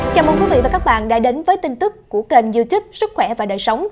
chào mừng quý vị và các bạn đã đến với tin tức của kênh youtube sức khỏe và đời sống